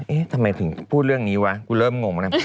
เอ๊ะทำไมถึงพูดเรื่องนี้วะกูเริ่มงงแล้ว